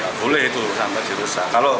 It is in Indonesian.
nggak boleh itu sampai dirusak